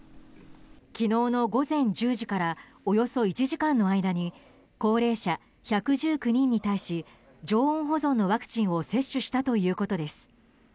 昨日の午前１０時からおよそ１時間の間に高齢者１１９人に対し常温保存のワクチンを接種したということです。